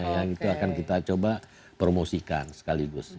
yang itu akan kita coba promosikan sekaligus